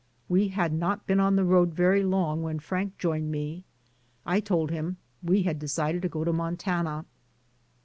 We had not been on the road very long when Frank joined me. I told him, "We had decided to go to Mon tana."